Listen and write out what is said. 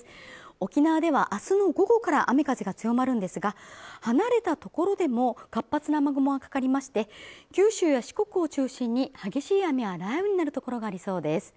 沖縄ではあすの午後から雨風が強まるんですが離れたところでも活発な雨雲がかかりまして九州や四国を中心に激しい雨や雷雨になる所がありそうです